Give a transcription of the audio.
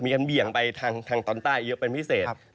ใช่ครับมีหน้าที่เหนี่ยงไปทางตอนต้าเยอะเป็นพิเศษ